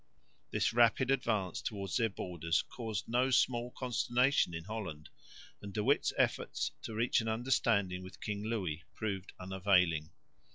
This rapid advance towards their borders caused no small consternation in Holland, and De Witt's efforts to reach an understanding with King Louis proved unavailing.